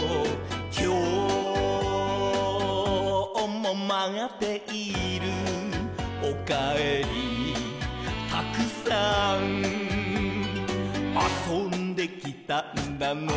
「きょうもまっている」「おかえりたくさん」「あそんできたんだね」